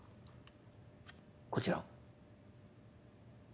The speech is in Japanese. こちらを。